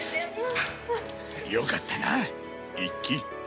よかったな一輝。